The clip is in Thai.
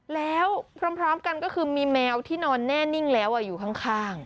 แล้วพร้อมกันก็คือมีแมวที่นอนแน่นิ่งแล้วอยู่ข้าง